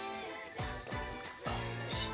あっおいしい。